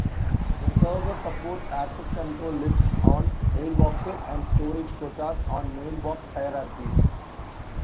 The server supports access control lists on mailboxes and storage quotas on mailbox hierarchies.